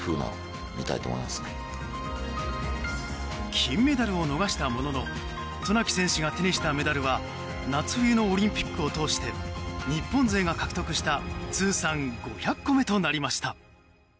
金メダルを逃したものの渡名喜選手が手にしたメダルは夏冬のオリンピックを通して日本勢が獲得した通算５００個目となりました。